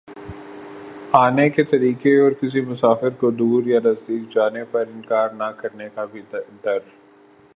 آنے کے طریقے اور کسی مسافر کودور یا نزدیک جانے پر انکار نہ کرنے کا بھی در